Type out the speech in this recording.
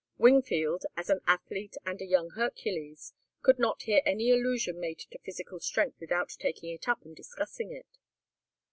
Wingfield, as an athlete and a young Hercules, could not hear any allusion made to physical strength without taking it up and discussing it.